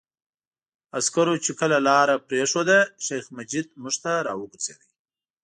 عسکرو چې کله لاره پرېښوده، شیخ مجید موږ ته را وګرځېد.